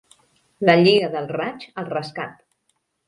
La Lliga del Raig al rescat!